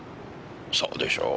そうでしょう？